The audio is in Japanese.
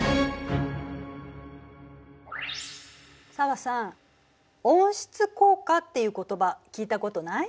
紗和さん「温室効果」っていう言葉聞いたことない？